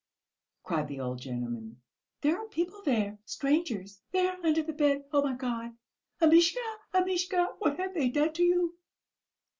cried the old gentleman. "There are people there, strangers, there under the bed! Oh, my God, Amishka, Amishka, what have they done to you?"